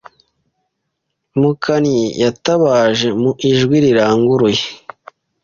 Mukannyi yatabaje mu ijwi riranguruye